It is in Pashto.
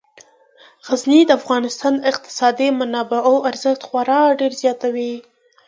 غزني د افغانستان د اقتصادي منابعو ارزښت خورا ډیر زیاتوي.